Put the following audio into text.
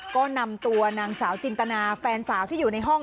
ก็นำตัวนางสาวจินตนาแฟนสาวที่อยู่ในห้อง